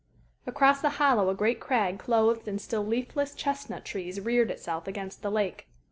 Across the hollow a great crag clothed in still leafless chestnut trees reared itself against the lake.